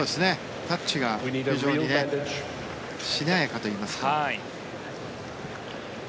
タッチが非常にしなやかといいますか。